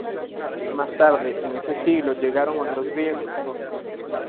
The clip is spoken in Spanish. Más tarde en ese siglo llegaron otros griegos.